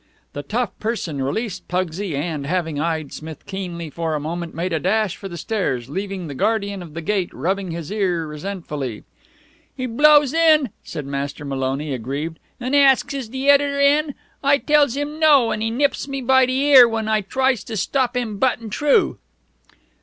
The tough person released Pugsy, and, having eyed Smith keenly for a moment, made a dash for the stairs, leaving the guardian of the gate rubbing his ear resentfully. "He blows in," said Master Maloney, aggrieved, "an' asks is de editor in. I tells him no, an' he nips me by the ear when I tries to stop him buttin' t'roo."